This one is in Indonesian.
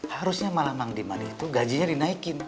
harusnya malah mang demand itu gajinya dinaikin